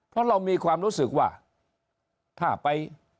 เพราะเรามีความรู้สึกว่าถ้าไป